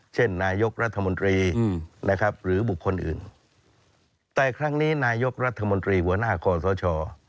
เช่นนายกรัฐมนตรีนะครับหรือบุคคลอื่นแต่ครั้งนี้นายกรัฐมนตรีหัวหน้าคอสช